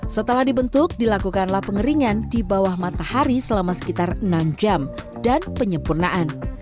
setelah dibentuk dilakukanlah pengeringan di bawah matahari selama sekitar enam jam dan penyempurnaan